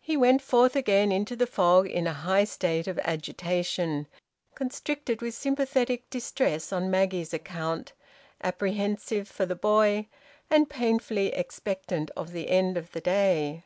He went forth again into the fog in a high state of agitation, constricted with sympathetic distress on Maggie's account, apprehensive for the boy, and painfully expectant of the end of the day.